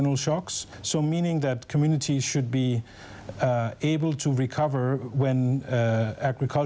ในนั้นเขาจะมีคีย์ใช้กัน